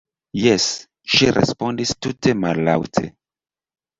Jes, ŝi respondis tute mallaŭte.